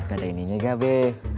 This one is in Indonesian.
ada ini juga be